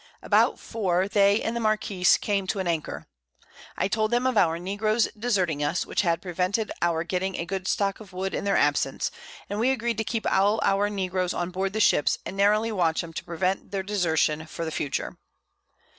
About 4 they and the Marquiss came to an Anchor; I told them of our Negroes deserting us, which had prevented our getting a good Stock of Wood in their Absence, and we agreed to keep all our Negroes on board the Ships, and narrowly watch 'em to prevent their Desertion for the future.